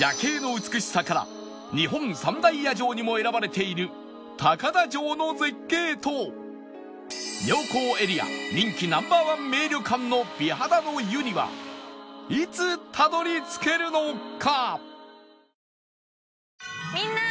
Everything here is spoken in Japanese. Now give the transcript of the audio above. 夜景の美しさから日本三大夜城にも選ばれている高田城の絶景と妙高エリア人気 Ｎｏ．１ 名旅館の美肌の湯にはいつたどり着けるのか？